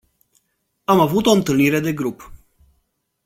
Am avut o întâlnire de grup.